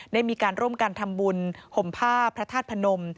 ได้มีการร่วมกันทำบุญห่มผ้าพระธาตุพนม